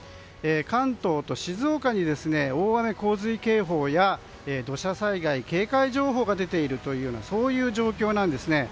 関東と静岡に大雨洪水警報や土砂災害警戒情報が出ているという状況なんですね。